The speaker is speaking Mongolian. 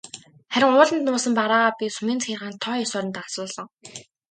Харин ууланд нуусан бараагаа би сумын захиргаанд тоо ёсоор нь данслуулсан.